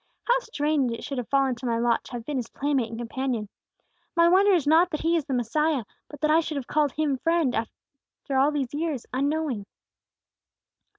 "How strange it should have fallen to my lot to have been His playmate and companion. My wonder is not that He is the Messiah; but that I should have called Him friend, all these years, unknowing."